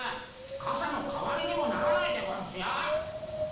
かさの代わりにもならないでゴンスよ。